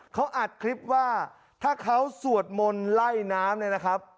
เขาอัดคลิปว่าถ้าเขาสวดมนต์ไล่น้ำเนี่ยนะครับ